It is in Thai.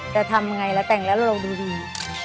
แต่ทำอย่างไรแล้วแต่งแล้วเราดูดี